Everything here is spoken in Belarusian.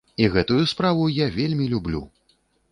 І гэтую справу я вельмі люблю.